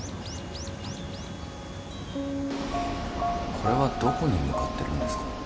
これはどこに向かってるんですか？